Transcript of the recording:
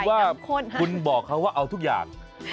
เอาเป็นว่าคุณบอกเขาว่าเอาทุกอย่าง